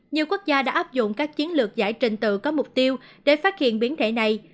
nhiều quốc gia đã áp dụng các chiến lược giải trình tự có mục tiêu để phát hiện biến thể này